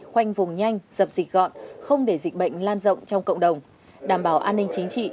khoanh vùng nhanh dập dịch gọn không để dịch bệnh lan rộng trong cộng đồng đảm bảo an ninh chính trị